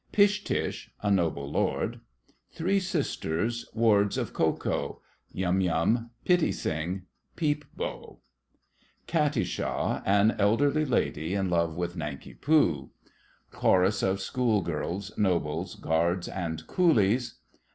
PISH TISH (a Noble Lord). Three Sisters—Wards of Ko Ko: YUM YUM PITTI SING PEEP BO KATISHA (an elderly Lady, in love with Nanki Poo). Chorus of School girls, Nobles, Guards, and Coolies.